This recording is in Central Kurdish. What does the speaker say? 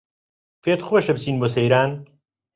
پێتخۆشە بچین بۆ سەیران